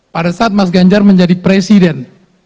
pada saat mas ganjar menjadi presiden